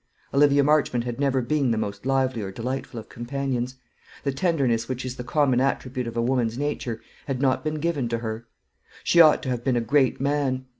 Olivia Marchmont had never been the most lively or delightful of companions. The tenderness which is the common attribute of a woman's nature had not been given to her. She ought to have been a great man.